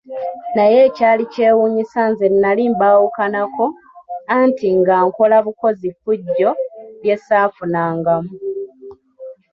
Naye ekyali kyewuunyisa nze nnali mbaawukanako, anti nga nkola bukozi ffujjo lye ssaafunangamu.